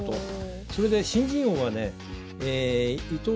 それで新人王はね伊藤匠